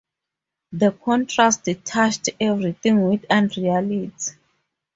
The contrast touched everything with unreality.